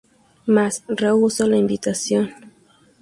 Mas, rehusó la invitación.